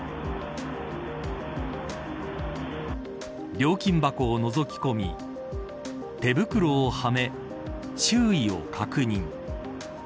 料金箱をのぞき込み手袋をはめ周囲を確認。